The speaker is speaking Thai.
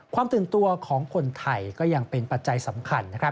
ตื่นตัวของคนไทยก็ยังเป็นปัจจัยสำคัญ